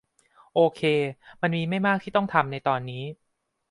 โอเค มันมีไม่มากที่ต้องทำในตอนนี้